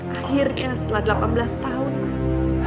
akhirnya setelah delapan belas tahun mas